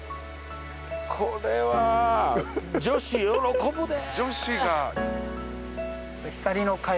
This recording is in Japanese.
これは女子喜ぶで。